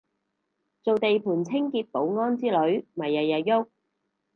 做地盤清潔保安之類咪日日郁